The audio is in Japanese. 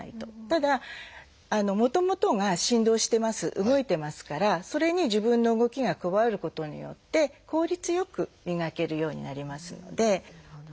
ただもともとが振動してます動いてますからそれに自分の動きが加わることによって効率良く磨けるようになりますので。